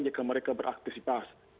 jika mereka beraktifitas